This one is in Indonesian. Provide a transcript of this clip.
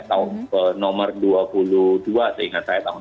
tahun nomor dua puluh dua seingat saya tahun dua ribu